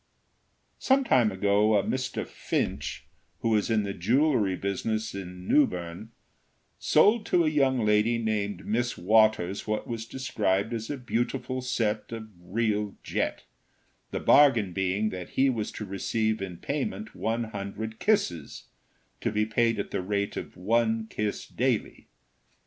Some time ago, a Mr. Finch, who was in the jewelry business in Newbern, sold to a young lady named Miss Waters what was described as a beautiful set of real jet, the bargain being that he was to receive in payment one hundred kisses, to be paid at the rate of one kiss daily.